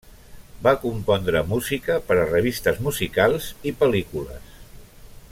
Va compondre música per a revistes musicals i pel·lícules.